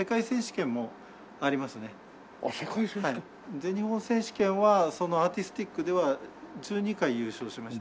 全日本選手権はそのアーティスティックでは１２回優勝しました。